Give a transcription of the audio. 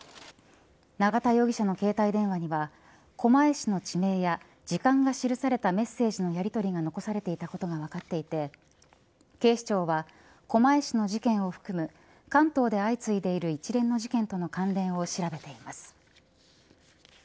永田容疑者の携帯電話には狛江市の地名や時間が記されたメッセージのやりとりが残されていたことが分かっていて警視庁は狛江市の事件を含む関東で相次いでいる一連の事件との関連を調べています。